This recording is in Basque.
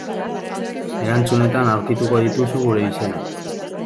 Erantzunetan aurkituko dituzu gure izenak.